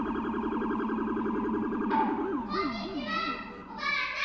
こんにちはおばあさん。